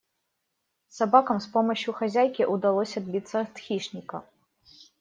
Собакам с помощью хозяйки удалось отбиться от хищника.